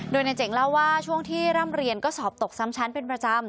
โดยนายเจ๋งเล่าว่าช่วงที่ร่ำเรียนก็สอบตกซ้ำชั้นเป็นประจำ